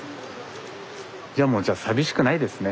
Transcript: じゃあもうじゃあ寂しくないですね。